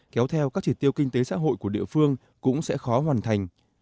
kéo theo các chỉ tiêu kinh tế xã hội của địa phương cũng sẽ khó hoàn thành